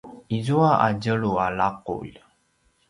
izua a tjelu a laqulj